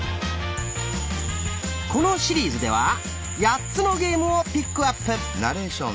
このシリーズでは８つのゲームをピックアップ。